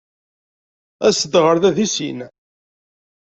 Aset-d ɣer da deg sin.